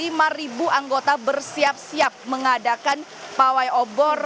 tiba tiba ada lima belas ribuan anggota bersiap siap mengadakan pawai obor